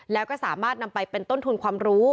แล้วก็สามารถนำไปเป็นต้นทุนความรู้